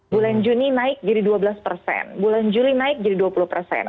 bulan juni naik jadi dua belas persen bulan juli naik jadi dua puluh persen